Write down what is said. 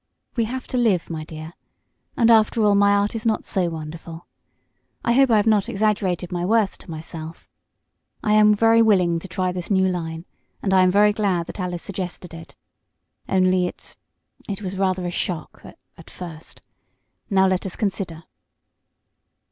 We have to live, my dear. And, after all, my art is not so wonderful. I hope I have not exaggerated my worth to myself. I am very willing to try this new line, and I am very glad that Alice suggested it. Only it it was rather a shock at first. Now let us consider."